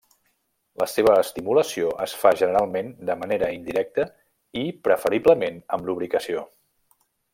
La seva estimulació es fa generalment de manera indirecta i preferiblement amb lubricació.